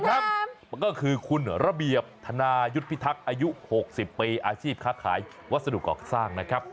ก็คือคุณระเบียบธนายุทธพิทักษ์อายุ๖๐ปีอาชีพค้าขายวัสดุก่อสร้างนะครับ